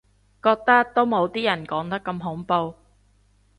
覺得都冇啲人講得咁恐怖